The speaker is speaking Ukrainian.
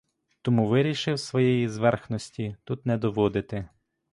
Тому вирішив своєї зверхності тут не доводити.